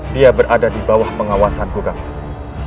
dia berada di bawah pengawasanku kan mas